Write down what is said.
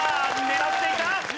狙っていた！